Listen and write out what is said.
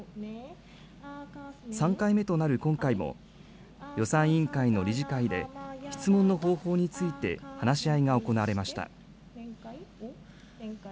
３回目となる今回も、予算委員会の理事会で、質問の方法について話し合いが行われました。